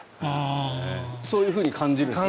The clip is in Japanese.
そういうふうに感じるんですか？